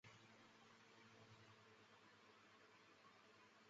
后来又担任左转骑都尉。